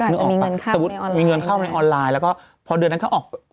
ออกป่ะสมมุติมีเงินเข้าในออนไลน์แล้วก็พอเดือนนั้นเขาออก